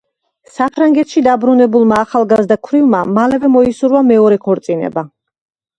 საფრანგეთში დაბრუნებულმა ახალგაზრდა ქვრივმა, მალევე მოისურვა მეორე ქორწინება.